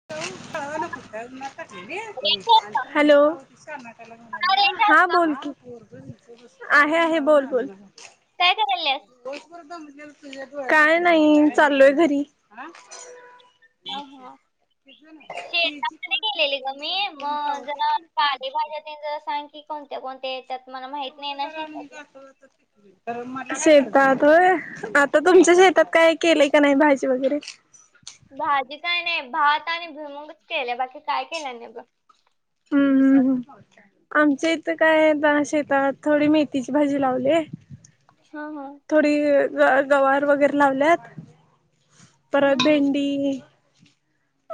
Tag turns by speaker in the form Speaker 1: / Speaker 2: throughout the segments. Speaker 1: [unintelligible] Hello
Speaker 2: अरे
Speaker 1: हां
Speaker 2: शांता,
Speaker 1: बोल की आहे आहे बोल बोल.
Speaker 2: काय करायलेस?
Speaker 1: काय नई चाललोय घरी.
Speaker 2: हा हा
Speaker 1: [inaudible]
Speaker 2: [unintelligible] तेन जरा सांग की. कोणत्या कोणत्या येतात मला म्हाईत नाही ना शेतातलं.
Speaker 1: शेतात होय आता तुमच्या शेतात काय केलंय का नाय भाजी वगैरे?
Speaker 2: भाजी काय नाय भात आणि भुईमंगच केलंय, बाकी काय केलं नाय बघ.
Speaker 1: हम्म हम्म हम्म. आमच्या इथं काय बघा शेताात थोडी मेथीची भाजी लावलीये.
Speaker 2: हा हा
Speaker 1: थोडी ग गवार वगैरे लावल्यात.
Speaker 2: हम्म,
Speaker 1: परत
Speaker 2: हम्म.
Speaker 1: भेंडी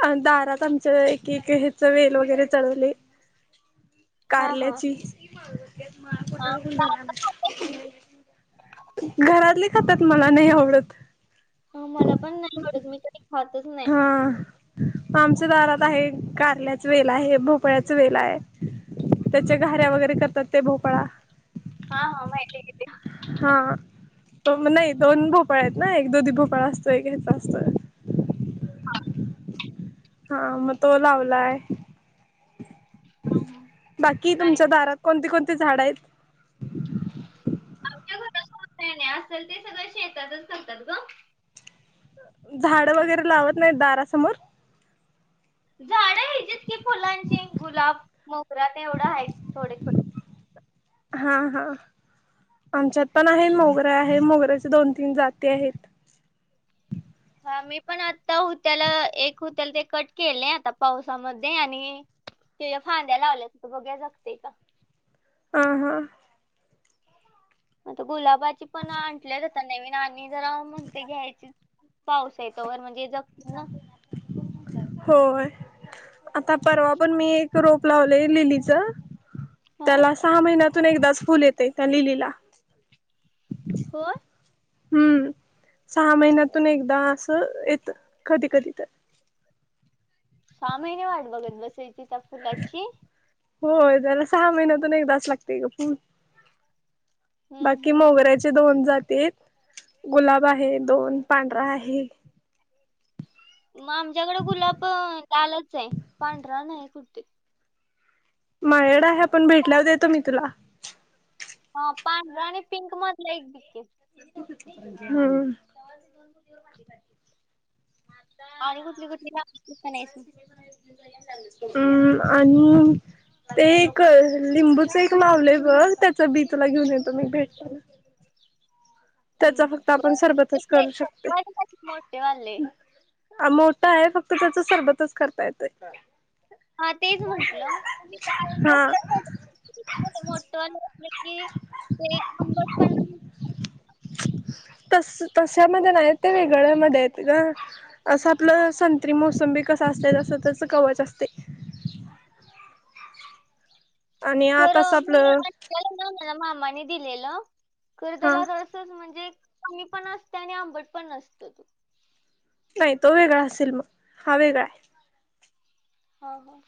Speaker 1: आणि दारात आमच्या एक एक ह्याच वेल वगैरे चढवले.
Speaker 2: हा हा
Speaker 1: कारल्याची.
Speaker 2: हा, जास्त खात नाही.
Speaker 1: घरातले खातात मला नाही आवडत.
Speaker 2: मला पण नाही आवडत, मी कधी खातच ना
Speaker 1: हा आमच्या दारात आहे. कारल्याच वेल आहे, भोपळ्याच वेल आहे. त्याच्या घाऱ्या वगैरे करतात ते भोपाळा.
Speaker 2: हा हा माहितीये की ते.
Speaker 1: हा तो नाही दोन भोपळा आहेत ना. एक दुधी भोपळा असतो, एक ह्याचा असतोय. हा मग तो लावलाय.
Speaker 2: हा, हा.
Speaker 1: बाकी
Speaker 2: आणि
Speaker 1: तुमच्या दारात कोणती कोणती झाडं हाईत?
Speaker 2: [unintelligible] आणि असेल ते सगळं शेतातच करत्यात ग.
Speaker 1: झाड वगैरे लावत नाहीत दारासमोर?
Speaker 2: झाड ह्याचीत की फुलांची गुलाब मोगरा तेवढ हायत थोडे पण.
Speaker 1: हा हा, आमच्यात पण आहे मोगरा आहे, मोगऱ्याचे दोन तीन जाती आहेत.
Speaker 2: हा मी पण आता होत्याल एक होत्याल ते कट केलंय आता पावसामध्ये आणि ते फांद्या लावल्यात बघुया जगते का.
Speaker 1: हां हां.
Speaker 2: आता गुलाबाची पण आणल्यात आता नवीन आणि जरा म्हणते घ्यायची. पाऊसये तोवर म्हणजे जतील ना
Speaker 1: होय. आता परवा पण मी एक रोप लावले लिलीच.
Speaker 2: हो.
Speaker 1: त्याला सहा महिन्यातून एकदाच फुल येतंय त्या लिलीला.
Speaker 2: होय?
Speaker 1: हम्म सहा महिन्यातून एकदा असं येत, कधी कधी तर.
Speaker 2: सहा महिने वाट बघत बसायची त्या फुलाची.
Speaker 1: होय त्याला सहा महिन्यातून एकदास लागते ग पूर.
Speaker 2: हम्म
Speaker 1: बाकी
Speaker 2: हम्म.
Speaker 1: मोगऱ्याचे दोन जाती आहेत. गुलाब आहे दोन पांढरा आहे.
Speaker 2: म आमच्याकडें गुलाब पन लालच ये पांढरा नाय कुठे.
Speaker 1: माझ्याकडं आहे आपण भेटल्यावर देतो मी तुला.
Speaker 2: हा पांढरा आणि पिंक मधला एक दि के.
Speaker 1: हम्म.
Speaker 2: आणि कुठली कुठली [unintelligible] नाहीस.
Speaker 1: उम्म आणि ते एक लिंबूच एक लावले बघ, त्याच बी तुला घेऊन येतो मी भेटायला.
Speaker 2: हम्म.
Speaker 1: त्याचा फक्त आपण
Speaker 2: ब-
Speaker 1: सरबतच
Speaker 2: कसले
Speaker 1: करू शकते.
Speaker 2: मोठे वाले मोठे वाले
Speaker 1: मोठा आहे फक्त त्याच सरबतच करता येतय.
Speaker 2: हा तेच म्हंटलं ते.
Speaker 1: हा
Speaker 2: [unintelligible] मोठ अलं [unintelligible] ते आंबट पण.
Speaker 1: तसं तश्यामध्ये नाही, ते वेगळ्यामध्ये येते गं. असं आपलं संत्री, मोसंबी कसं असतं तसं त्याच कवच असते. आणि आताच
Speaker 2: खरं मी
Speaker 1: आपलं
Speaker 2: [unintelligible] मला मामाने दिलेलं खरं
Speaker 1: हा
Speaker 2: त्याला रस म्हणजे कमी पण असतोय, आणि आंबट पण नसतो तो.
Speaker 1: नाही तो वेगळा असेल मग हा वेगळा आहे.
Speaker 2: हा हा.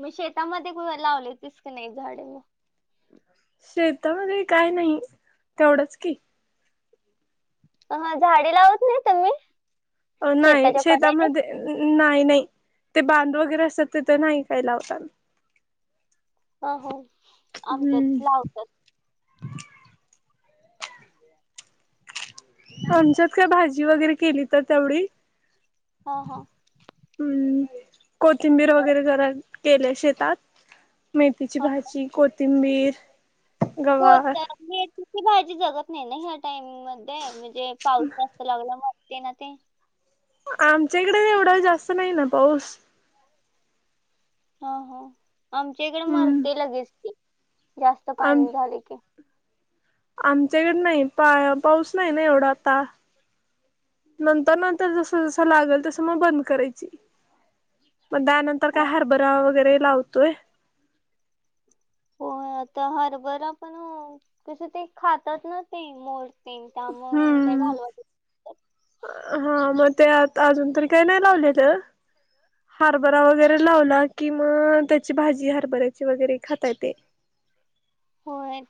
Speaker 2: मग शेतामध्ये लावलेतीस की, नाही झाडे मग.
Speaker 1: शेतामध्ये काय नाही तेवढंच की.
Speaker 2: हां झाडे लावत नाही, तुम्ही
Speaker 1: नाही
Speaker 2: शेताच्या कडेने.
Speaker 1: शेतामध्ये नाही नाही ते बांधू वगैरे असतं तिथं नाही काही लावता.
Speaker 2: हा हो आमच्यात
Speaker 1: हम्म
Speaker 2: लावत्यात.
Speaker 1: आमच्यात काय भाजी, वगैरे केली तर तेवढी.
Speaker 2: हा हा.
Speaker 1: हम्म. कोथिंबीर वगैरे जरा केले शेतात. मेथीची
Speaker 2: हा
Speaker 1: भाज, कोथिंबीर, गवार
Speaker 2: मेथी तिची भाजी जगत नाही ना, ह्या टाइमिंग मध्ये म्हणजे पाऊस जास्त लागला मग. ते ना ते.
Speaker 1: आमच्याएकडे एवढा जास्त नाही ना पाऊस.
Speaker 2: हां हां. आमच्या इकडे
Speaker 1: हम्म
Speaker 2: मरते लगेच की, जास्त
Speaker 1: आम
Speaker 2: पाणी झाले की.
Speaker 1: आमच्याकडे नाही पाय पाऊस नाही ना एवढा आता. नंतर नंतर जसं जसं लागेल तसं म बंद करायची. मग दहा त्यानंतर
Speaker 2: हा,
Speaker 1: काय हरभरा वगैरे लावतोय.
Speaker 2: हो आता हरभरा पण कसं, ते खातात ना ते मोर. तेन ता मग मी काय
Speaker 1: हम्म
Speaker 2: घालवते.
Speaker 1: हा म ते आत अजून तरी काही नाही लावले तर. हरभरा
Speaker 2: हम्म.
Speaker 1: वगैरे लावला कि मग त्याची भाजी हरभऱ्याची वगैरे खाता येते.
Speaker 2: होय.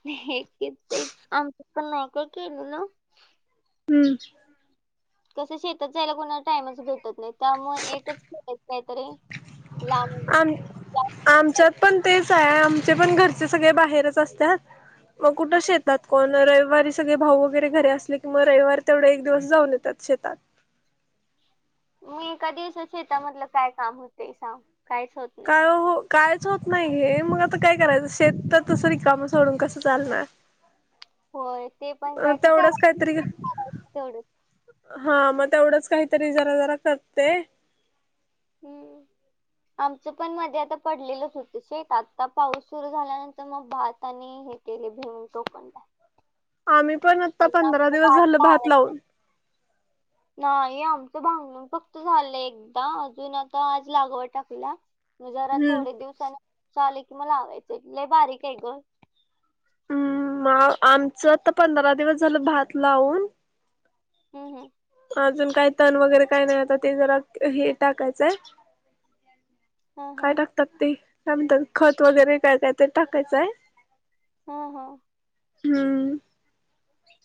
Speaker 2: तेच आमच्या पण नाही काय केलं ना.
Speaker 1: हम्म.
Speaker 2: कसं शेतात जायला कोणाला टाइमच भेटत नाही, त्यामुळे एकच [unintelligible] काहीतरी. लांब
Speaker 1: आम आमच्यात पण तेच आहे, आमचे पण घरचे सगळे बाहेरच असत्यात. म कुठं शेतात कोण रविवारी सगळे भाऊ वगैरे घरे असले की म रविवारी तेवढे एक दिवस जाऊन त्या शेतात
Speaker 2: मी कधी असं शेता मधलं काय काम होते सांग कायच होत. नाही
Speaker 1: काय हो कायच होत नाही हे, मग आता काय करायचं शेत तर तसं रिकाम सोडून कसं चालणार.
Speaker 2: होय ते पण काय ते
Speaker 1: तेवढंच
Speaker 2: कराय
Speaker 1: काहीतरी
Speaker 2: [inaudible] तेवढं.
Speaker 1: हा म तेवढंच काहीतरी जरा जरा करते.
Speaker 2: हम्म. आमचं पण मध्ये आता पडलेलंच होतं शेट आता पाऊस सुरू झाल्यानंतर मग भात आणि हे. तेन्ही भुईमुग टोकणलाय.
Speaker 1: आम्ही पण अत
Speaker 2: अगं आमचा भात लावायचा आहे अजून नाही आमचं भांग फक्त झालंय एकदा अजून आता आज लागव टाकला. जरा
Speaker 1: हम्म
Speaker 2: थोडे दिवसाने चालिक म लावायचं लई बारीक आहे ग.
Speaker 1: हम्म म आमचं आता पंधरा दिवस झालं भात लावून.
Speaker 2: हम हम.
Speaker 1: अजून काही तण वगैरे काय नाही आता ते जरा हे टाकायचाय.
Speaker 2: हम्म
Speaker 1: काय
Speaker 2: हम्म
Speaker 1: टाकतात ते काय म्हणतात खत वगैरे काय काय ते टाकायचाय.
Speaker 2: हम्म हम्म.
Speaker 1: हम्म.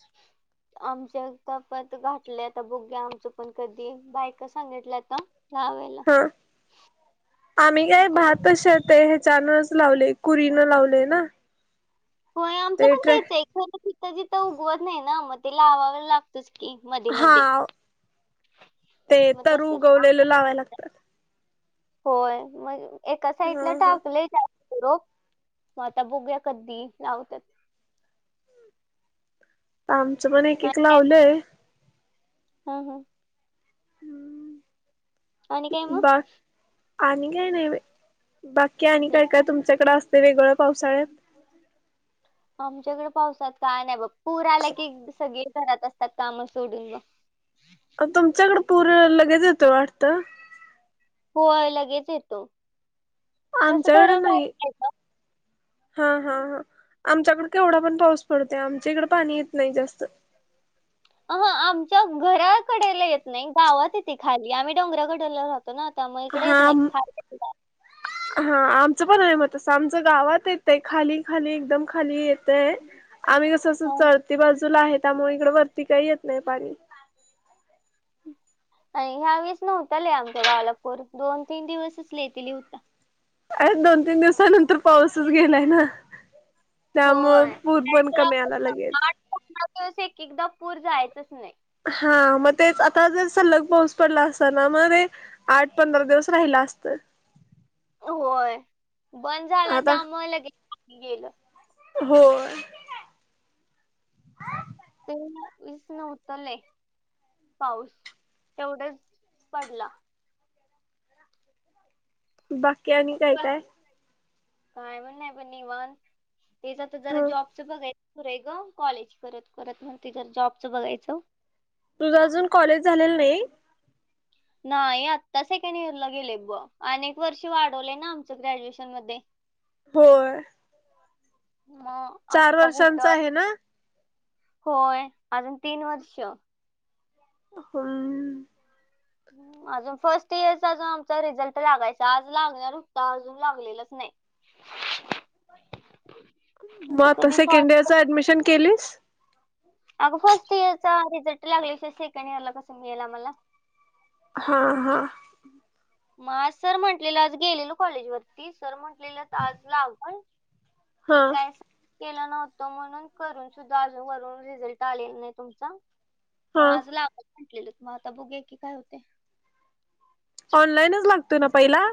Speaker 2: [unintelligible] आमच्या तफ्यात घाठले आता बुघ्या आमचं पण कधी बायक सांगितलं आता. लावाय
Speaker 1: हा आम्ही
Speaker 2: मग
Speaker 1: काय
Speaker 2: आता बघू
Speaker 1: भात तशे ते ह्या नच लावले कुरीन लावलय ना.
Speaker 2: हो आमचं
Speaker 1: ते
Speaker 2: पण
Speaker 1: ट्रॅ
Speaker 2: तेच एखां तितथं चितथं उगवत नाही ना मग ते लावाय लाग होतच की मध्ये मध्ये
Speaker 1: हा
Speaker 2: मग तस
Speaker 1: लावा लागतात.
Speaker 2: होय मग एका साईडला
Speaker 1: हा हा
Speaker 2: टाकलय त्या पिरोप मग आता बघूया कधी लावत्यात.
Speaker 1: आमचं पण एक एक लावलंय.
Speaker 2: हम्म हम्म. आणि काय म.
Speaker 1: बा आणि काय नाही बाकी आणि
Speaker 2: ठीक
Speaker 1: काय काय
Speaker 2: आहे.
Speaker 1: तुमच्याकडें असते वेगळं पावसाळ्यात.
Speaker 2: आमच्याकडे पावसात काय नाही बघ पूर आला की सगळी घरात असतात काम सोडून म.
Speaker 1: तुमच्याकड पूर लगेच येतोय वाटतं.
Speaker 2: होय लगेच येतो तस
Speaker 1: आमच्याकडे
Speaker 2: धरमय
Speaker 1: नाही हा हा हा आमच्याकड केवढा पण पाऊस पडत आमच्या इकडे पाणी येत नाही जास्त.
Speaker 2: आह आमच्या घराकडेला येत नाही गावात येते खाली आम्ही डोंगराकडला रातो ना त्यामुळे इकडे येत
Speaker 1: हा
Speaker 2: नाही. [unintelligible]
Speaker 1: हा आमचं पण आहे मत असं आमचं गावात येतय खाली खाली एकदम खाली येतय. आम्ही कसंस
Speaker 2: हं.
Speaker 1: चढती बाजूला आहे त्यामुळे इकड वरती काही येत नाही पाणी.
Speaker 2: ह्या वेळेस नव्हता लई आमच्या गावाला पूर दोन-तीन दिवसच लई ते लय होता.
Speaker 1: अ दोन तीन दिवसानंतर पाऊसच गेलाय ना. त्यामुळं पुद पण कमी आला लगेच.
Speaker 2: कोना दिवस एक एकदा पूर जायचंच नाही.
Speaker 1: हा म तेच आता जर सल्लग पाऊस पडला असता ना म ते आठ पंधरा दिवस राहिला असतं.
Speaker 2: होय बंद झाला त्या मुळे लगेच गेलं.
Speaker 1: होय.
Speaker 2: ते विस न्हवत लई. पाऊस तेवढच पडला.
Speaker 1: बाकी आणि काय
Speaker 2: बोल,
Speaker 1: काय.
Speaker 2: काय म्हण नाही पण निवान तेचा तर जरा
Speaker 1: ह
Speaker 2: जॉबच बघाय पुर आहे ग कॉलेज करत करत म ति ज जॉबचं बघायचं.
Speaker 1: तुझ अजून कॉलेज झालेला नाही.
Speaker 2: नाही आत्ता सेकंड इयरला गेले बग, अनेक वर्ष वाढवले ना आमचं ग्रॅज्युएशन मध्ये. [inaudible]
Speaker 1: होय.
Speaker 2: मग
Speaker 1: चार
Speaker 2: आता कुठ
Speaker 1: वर्षांचा आहे ना
Speaker 2: होय अजून तीन वर्ष.
Speaker 1: होय.
Speaker 2: हम्म, अजून फर्स्ट इयरचा अजून आमचा रिझल्ट लागायचा, आज लागणार होता अजून लागलेलाच नाही. [inaudible]
Speaker 1: मग आता
Speaker 2: कधी फर्स्ट
Speaker 1: सेकंड इयर्स चं, ऍडमिशन केलीस.
Speaker 2: अगं फर्स्ट इयर चा रिझल्ट लागल्या शिवाय, सेकंड इयर ला कस मिळेल आम्हाला.
Speaker 1: हा हा.
Speaker 2: मग सर म्हटलेलं आज गेलेल कॉलेज वरती सर म्हंटलेलं आज लावण.
Speaker 1: हा
Speaker 2: ते काय असं. केलं नव्हतं म्हणून करून सुद्धा, अजून वरून रिझल्ट आलेला नाही तुमचा. मग
Speaker 1: हा
Speaker 2: आज लागेलं म्हटले मग आता बघु की काय होते.
Speaker 1: ऑनलाईनच लागतो ना पहिला?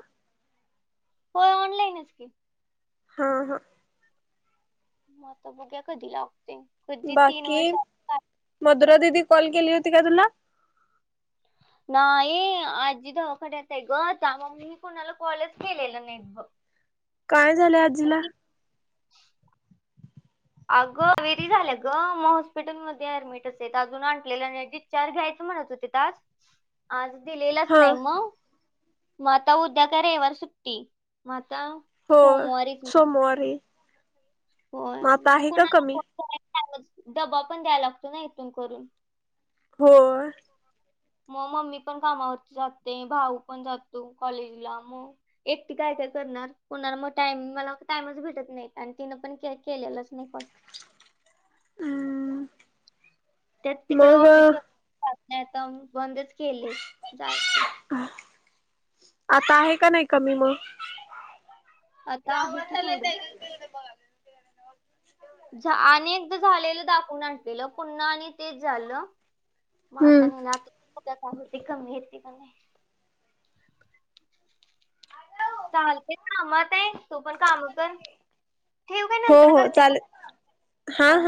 Speaker 2: होय. ऑनलाईनच की,
Speaker 1: हा हां.
Speaker 2: मग आता बघूया, कधी लागतोय.
Speaker 1: बाकी मधुरा दिदी कॉल केली होती का तुला?
Speaker 2: नाही आजी दवाखान्यात आहे ग त्या मग मी कुणाला कॉल केलेलं नाही बघ.
Speaker 1: काय झालंय आजीला.
Speaker 2: आजी, अगं व्हेरी झाले गं, मग हॉस्पिटल मध्ये ऍडमिटच आहेत अजून आणलेलं नाही. चार घ्यायचं म्हणत होते त आज आज दिलेलंच
Speaker 1: हा
Speaker 2: नाही मग मग आता काय उद्या का रविवार सुट्टी मग आता
Speaker 1: होय
Speaker 2: सोमवारीच मग.
Speaker 1: सोमवारी.
Speaker 2: होय.
Speaker 1: आता
Speaker 2: मग
Speaker 1: आहे का
Speaker 2: कुणाला
Speaker 1: कमी
Speaker 2: फोन करायचा, डबा पण द्यायला लागतो ना इथून करून.
Speaker 1: हो
Speaker 2: मग मम्मी पण कामावरती जाते भाऊ पण जातो कॉलेजला मग एकटी काय काय करणार कुणाला मग टाइम मला टाइमच भेटत नाही आणि तिनं पण केलेलंच नाही कॉल. त्यात तिकड
Speaker 1: मग
Speaker 2: ऑफिस जात नाही आता बंदच केले जायच.
Speaker 1: आता आहे का नाही कमी मग?
Speaker 2: आता आहे की थोडं. आन्ही एकदा झालेलं दाखवून आणलेलं पुन्हा आणि तेच झालं. म आता
Speaker 1: हम्म
Speaker 2: नेल्यात आत, उद्या काय होती कमी होत का नाही. चालते. कामात ये. तू पण काम कर ठेव की
Speaker 1: हो
Speaker 2: नंतर ना
Speaker 1: हो
Speaker 2: करते मग
Speaker 1: चालेल
Speaker 2: हा.